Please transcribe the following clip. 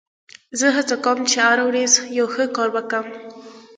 زه هڅه کوم، چي هره ورځ یو ښه کار وکم.